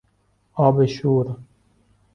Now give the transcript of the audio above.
آب شور